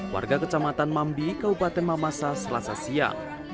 warga kecamatan mambi kabupaten mamasa selasa siang